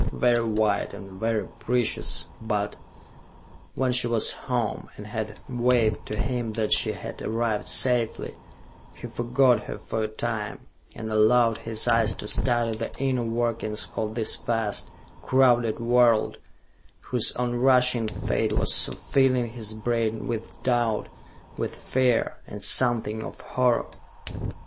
Very white, and very precious, but.... When she was home, and had waved to him that she had arrived safely, he forgot her for a time, and allowed his eyes to study the inner workings of this vast, crowded world whose on rushing fate was so filling his brain with doubt, with fear and something of horror!